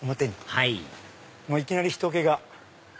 はいいきなり人けが。